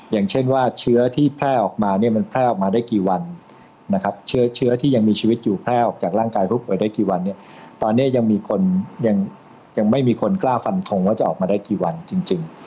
อย่างเช่นว่าเชื้อที่แพร่ออกมาเนี่ยมันแพร่ออกมาได้กี่วันนะครับเชื้อที่ยังมีชีวิตอยู่แพร่ออกจากร่างกายผู้ป่วยได้กี่วันเนี่ยตอนนี้ยังมีคนยังไม่มีคนกล้าฟันทงว่าจะออกมาได้กี่วันจริง